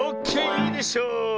いいでしょう。